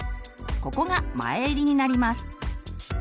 ここが前襟になります。